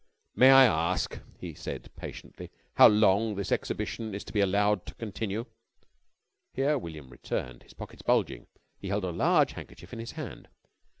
"May I ask," he said patiently, "how long this exhibition is to be allowed to continue?" Here William returned, his pockets bulging. He held a large handkerchief in his hand.